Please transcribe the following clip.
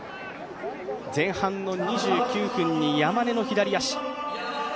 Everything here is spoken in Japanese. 前半２９分に山根の左足。